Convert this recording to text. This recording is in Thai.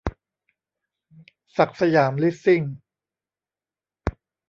ศักดิ์สยามลิสซิ่ง